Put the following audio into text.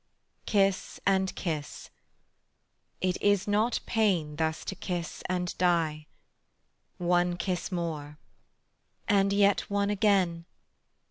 Kiss and kiss: "It is not pain Thus to kiss and die. One kiss more." "And yet one again."